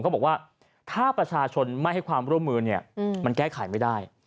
บอกว่าถ้าประชาชนไม่ให้ความร่วมมือเนี่ยมันแก้ไขไม่ได้